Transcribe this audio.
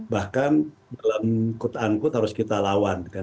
bahkan dalam kut ankut harus kita lawan